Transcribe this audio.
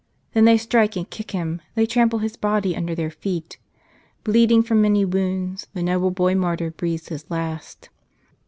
Then they strike and kick him ; they trample his body under their feet. Bleeding from many wounds, the noble boy martyr breathes his last.